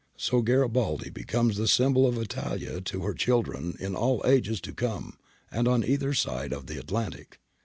So Garibaldi becomes the symbol of Italia to her children in all ages to come and on either side of the Atlantic.